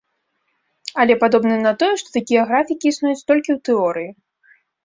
Але падобна на тое, што такія графікі існуюць толькі ў тэорыі.